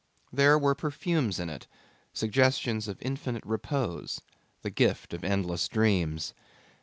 There were perfumes in it, suggestions of infinite repose, the gift of endless dreams.